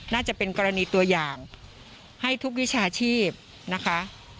น่าจะเป็นกรณีตัวอย่างให้ทุกวิชาชีพนะคะ